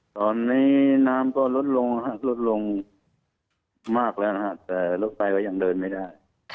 ตอนนี้น้ำก็ลดลงมากแล้วแต่ลดไปก็ยังเดินไม่ได้